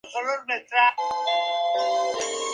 Hay quienes dicen que el castillo se encuentra embrujado.